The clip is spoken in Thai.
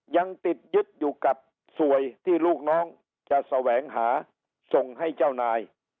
ยังติดยึดอยู่กับสวยที่ลูกน้องจะแสวงหาส่งให้เจ้านาย